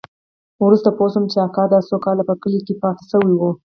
وروسته پوه سوم چې اکا دا څو کاله په کلي کښې پاته سوى و.